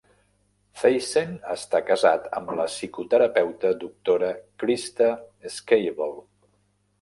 Theissen està casat amb la psicoterapeuta Dra. Christa Schaible.